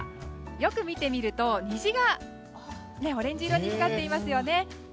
よく見てみると虹がオレンジ色に光っていますよね。